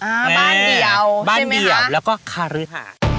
บ้านเดี่ยวใช่ไหมคะบ้านเดี่ยวแล้วก็คารึด